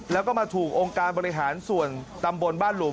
แล้วก็มาถูกองค์การบริหารส่วนตำบลบ้านหลุม